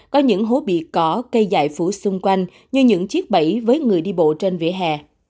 có những hố bị cỏ cây dài phủ xung quanh như những chiếc bẫy với người đi bộ trên vỉa hè